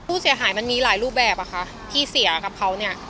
ผู้เสียหายมันมีหลายรูปแบบอ่ะค่ะที่เสียกับเขาเนี่ย